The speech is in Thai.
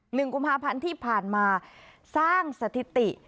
หนึ่งกุมภาพันธ์ที่ผ่านมาสร้างสถิติ